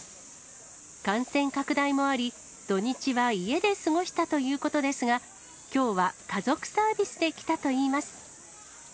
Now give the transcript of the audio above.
感染拡大もあり、土日は家で過ごしたということですが、きょうは家族サービスで来たといいます。